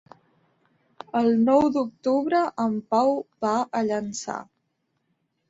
El nou d'octubre en Pau va a Llançà.